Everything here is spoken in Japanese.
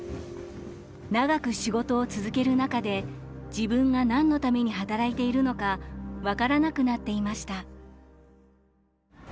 長く仕事を続ける中で自分が何のために働いているのか分からなくなっていました。